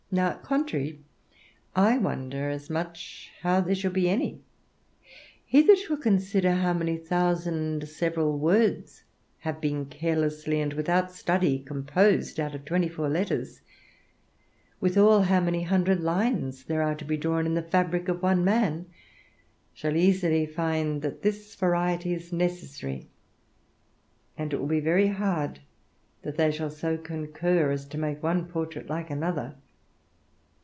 Now, contrary, I wonder as much how there should be any: he that shall consider how many thousand several words have been carelessly and without study composed out of twenty four letters; withal, how many hundred lines there are to be drawn in the fabric of one man, shall easily find that this variety is necessary; and it will be very hard that they shall so concur as to make one portrait like another.